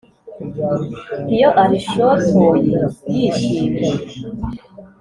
Iyo arishotoye yishimye